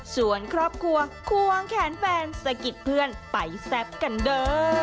ส่วนครอบครัวควงแขนแฟนสะกิดเพื่อนไปแซ่บกันเด้อ